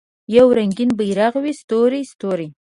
یو رنګین بیرغ وي ستوری، ستوری